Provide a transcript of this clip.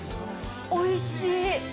おいしい。